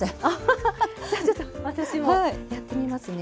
じゃあちょっと私もやってみますね。